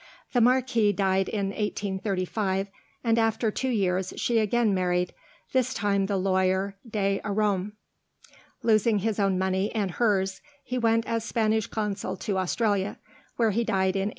The Marquis died in 1835, and after two years she again married, this time the lawyer De Arrom. Losing his own money and hers, he went as Spanish consul to Australia, where he died in 1863.